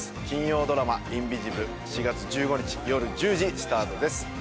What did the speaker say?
金曜ドラマ「インビジブル」４月１５日よる１０時スタートです